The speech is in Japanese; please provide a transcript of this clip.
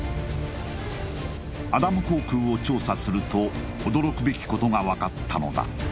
アダム航空を調査すると驚くべきことが分かったのだ